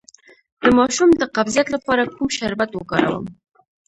د ماشوم د قبضیت لپاره کوم شربت وکاروم؟